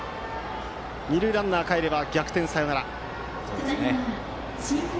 二塁ランナーかえれば逆転サヨナラ。